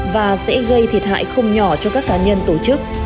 và sẽ gây thiệt hại không nhỏ cho các cá nhân tổ chức